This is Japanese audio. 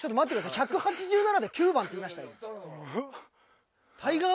１８７で９番って言いましたよ。